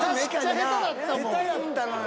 下手やったのよ。